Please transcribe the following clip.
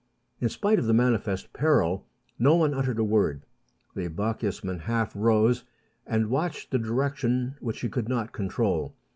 In spite of the manifest peril, no one uttered a word. The Bochjesman half rose, an.i watched the direction which he could not control.